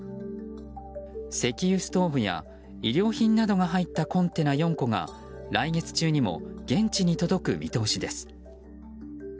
石油ストーブや医療品などが入ったコンテナ４個が来月中にも現地に届く見通しです。